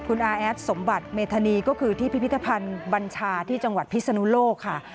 คุณอาแอดสมบัติเมธานีก็คือที่พิพิธภัณฑ์บัญชาที่จังหวัดพิศนุโลกค่ะ